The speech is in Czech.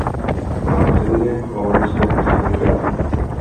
Má země, Holandsko, si vybrala.